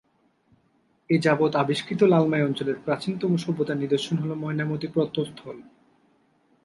এযাবৎ আবিষ্কৃত লালমাই অঞ্চলের প্রাচীনতম সভ্যতার নিদর্শন হল ময়নামতি প্রত্নস্থল।